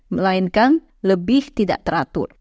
melainkan lebih tidak teratur